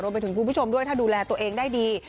ไปถึงคุณผู้ชมด้วยถ้าดูแลตัวเองได้ดี